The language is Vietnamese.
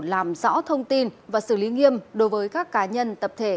làm rõ thông tin và xử lý nghiêm đối với các cá nhân tập thể